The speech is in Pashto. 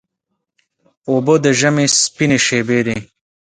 اوبه د ژمي سپینې شېبې دي.